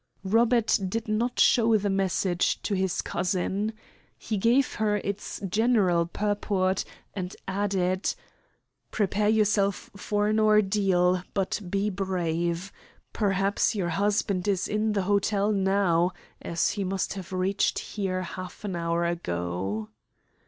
Robert did not show the message to his cousin. He gave her its general purport, and added: "Prepare yourself for an ordeal, but be brave. Perhaps your husband is in the hotel now, as he must have reached here half an hour ago."